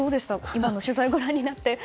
今の取材をご覧になって。